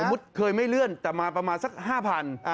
เคยไม่เลื่อนแต่มาประมาณสัก๕๐๐บาท